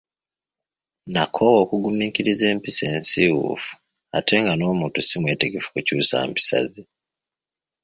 Nakoowa okugumiikiriza empisa ensiwuufu ate nga n’omuntu si mwetegefu kukyusa mpisa ze.